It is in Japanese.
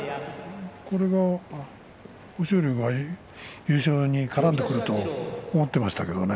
豊昇龍が優勝に絡んでくると思っていましたけどね。